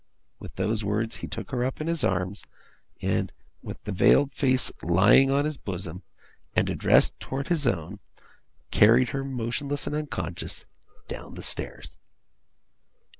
With those words he took her up in his arms; and, with the veiled face lying on his bosom, and addressed towards his own, carried her, motionless and unconscious, down the stairs.